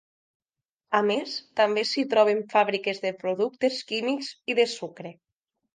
A més, també s'hi troben fàbriques de productes químics i de sucre.